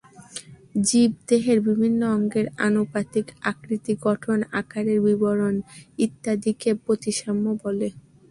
জীবদেহের বিভিন্ন অঙ্গের আনুপাতিক আকৃতি, গঠন, আকারের বিবরণ ইত্যাদিকে প্রতিসাম্য বলে।